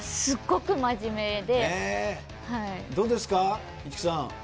すっごく真面目で。